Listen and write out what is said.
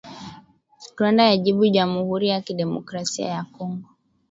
Rwanda yajibu jamuhuri ya kidemokrasia ya Kongo